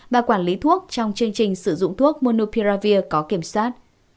và quản lý thuốc trong chương trình sử dụng thuốc monopiavir có kiểm soát